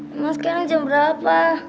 emang sekarang jam berapa